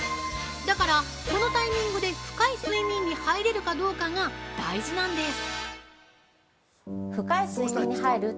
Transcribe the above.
だから、このタイミングで深い睡眠に入れるかどうかが大事なんです。